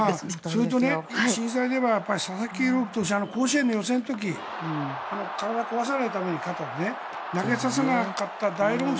それと、震災といえば佐々木投手は甲子園の予選の時体を壊さないために肩をね。投げさせなかった大論争。